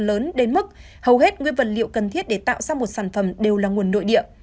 lớn đến mức hầu hết nguyên vật liệu cần thiết để tạo ra một sản phẩm đều là nguồn nội địa